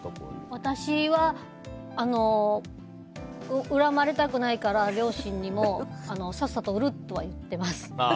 私は、恨まれたくないから両親にもさっさと売るとは言っています。